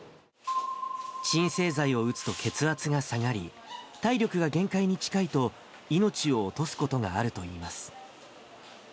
鎮静剤を打つと血圧が下がり、体力が限界に近いと、命を落とすことがあるといいます。